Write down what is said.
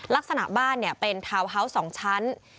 ลักษณะบ้านเป็นทาวน์ฮาวส์๒ชั้น